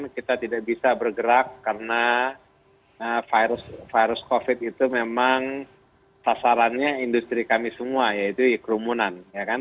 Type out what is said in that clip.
kita tidak bisa bergerak karena virus covid itu memang sasarannya industri kami semua yaitu kerumunan